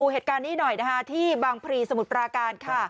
กลัวเหตุการณ์อีกหน่อยที่บางพรีสมุดประการ